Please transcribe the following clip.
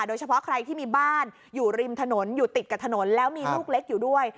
โดยเฉพาะใครที่มีบ้านอยู่ริมถนนอยู่ติดกับถนนแล้วมีลูกเล็กอยู่ด้วย